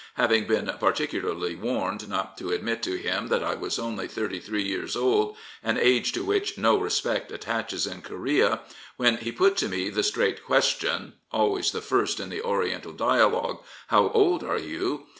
... Having been particularly warned not to admit to him that I was only thirty three years old, an age to which no respect attaches in Korea, when he put to me the straight question (always the first in the Oriental dialogue), " How old are you?